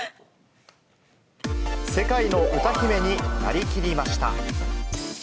世界の歌姫になりきりました。